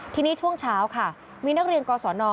ทีนี้ช่วงเช้าค่ะมีนักเรียนกศน